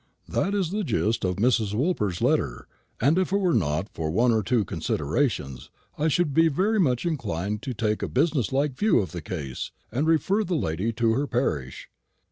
That is the gist of Mrs. Woolper's letter; and if it were not for one or two considerations, I should be very much inclined to take a business like view of the case, and refer the lady to her parish.